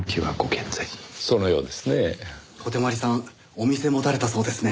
お店持たれたそうですね。